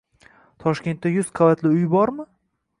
Toshkentda yuz qavatli uy bormi?